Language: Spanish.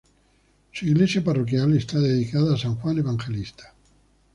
Su iglesia parroquial esta dedicada a San Juan Evangelista.